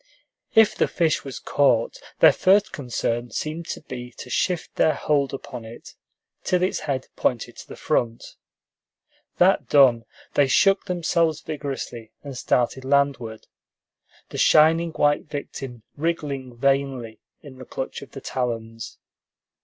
If the fish was caught, their first concern seemed to be to shift their hold upon it, till its head pointed to the front. That done, they shook themselves vigorously and started landward, the shining white victim wriggling vainly in the clutch of the talons.